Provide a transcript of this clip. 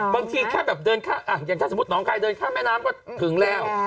บางทีแค่แบบเดินข้ามอย่างถ้าสมมุติน้องใครเดินข้ามแม่น้ำก็ถึงแล้ว